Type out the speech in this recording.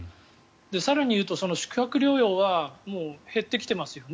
更に言うと宿泊療養はもう減ってきていますよね。